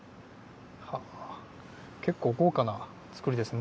結構、豪華な作りですね。